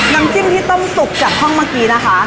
น้ำจิ้มที่ต้มสุกจากห้องเมื่อกี้นะคะ